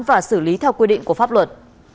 và xử lý theo quy định của pháp luật